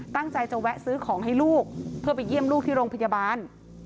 ตั้งใจจะแวะซื้อของให้ลูกเพื่อไปเยี่ยมลูกที่โรงพยาบาล